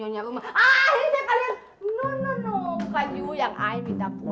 bukan ibu yang minta pulang ibu